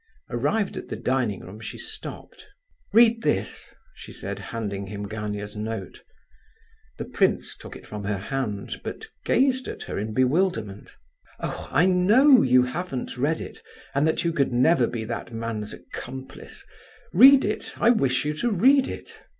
Arrived at the dining room, she stopped. "Read this," she said, handing him Gania's note. The prince took it from her hand, but gazed at her in bewilderment. "Oh! I know you haven't read it, and that you could never be that man's accomplice. Read it, I wish you to read it."